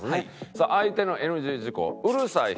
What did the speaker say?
「相手のＮＧ事項うるさい人」